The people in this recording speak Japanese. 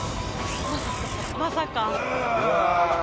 まさか。